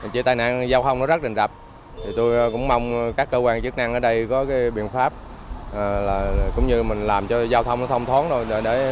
chỉ tai nạn giao thông nó rắc rình rập tôi cũng mong các cơ quan chức năng ở đây có cái biện pháp cũng như mình làm cho giao thông nó thông thoáng rồi để ảnh hưởng